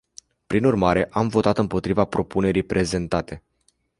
Prin urmare, am votat împotriva propunerii prezentate.